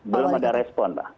belum ada respon mbak